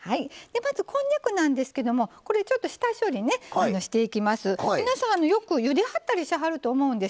まず、こんにゃくなんですけどもちょっと下処理をしていきます。